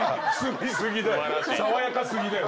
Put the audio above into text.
⁉爽やか過ぎだよ